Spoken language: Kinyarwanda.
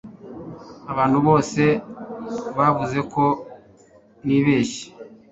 abantu bose bavuze ko nibeshye